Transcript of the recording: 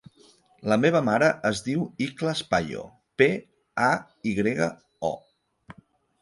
La meva mare es diu Ikhlas Payo: pe, a, i grega, o.